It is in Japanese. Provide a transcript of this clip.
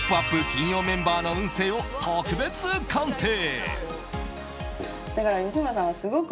金曜メンバーの運勢を特別鑑定。